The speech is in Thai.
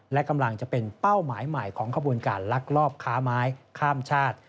และกำลังจะเป็นเป้าหมายใหม่ของขบวนการลักลอบค้าไม้ข้ามชาติ